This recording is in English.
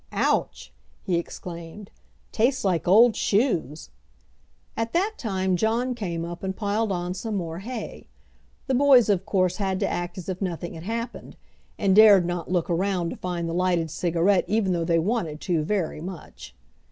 "Ouch!" he exclaimed. "Tastes like old shoes!" At that time John came up and piled on some more hay. The boys of course had to act as if nothing had happened, and dared not look around to find the lighted cigarette even though they wanted to very much.